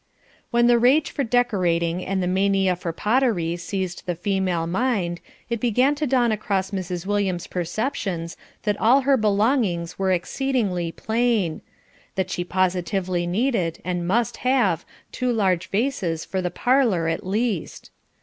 When the rage for decorating and the mania for pottery seized the female mind, it began to dawn across Mrs. Williams' perceptions that all her belongings were exceedingly plain, that she positively needed, and must have two large vases for the parlour at least.